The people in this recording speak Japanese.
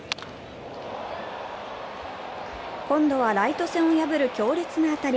今度はライト線を破る強烈な当たり。